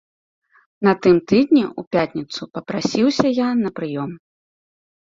На тым тыдні ў пятніцу папрасіўся я на прыём.